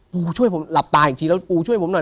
ช่วยผมหลับตาอีกทีแล้วปูช่วยผมหน่อย